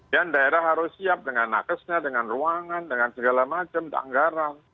dan daerah harus siap dengan nakasnya dengan ruangan dengan segala macam dengan anggaran